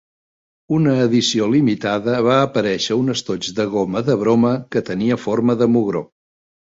Una edició limitada va aparèixer un estoig de goma de broma que tenia forma de mugró.